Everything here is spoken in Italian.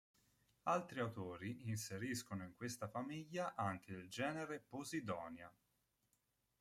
Altri autori inseriscono in questa famiglia anche il genere "Posidonia".